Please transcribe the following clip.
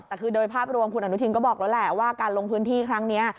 แต่คือโดยภาพรวมคุณอนุทินก็บอกแล้วแหละว่าการลงพื้นที่ครั้งนี้